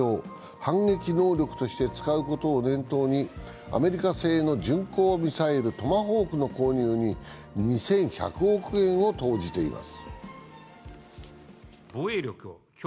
反撃能力として使うことを念頭にアメリカ製の巡航ミサイル・トマホークの購入に２１００億円を投じています。